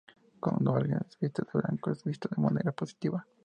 Cuando alguien viste de blanco, es visto de manera positiva.